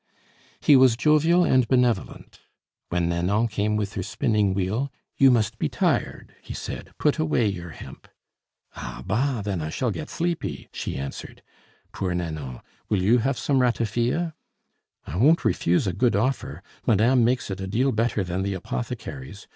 He was jovial and benevolent. When Nanon came with her spinning wheel, "You must be tired," he said; "put away your hemp." "Ah, bah! then I shall get sleepy," she answered. "Poor Nanon! Will you have some ratafia?" "I won't refuse a good offer; madame makes it a deal better than the apothecaries.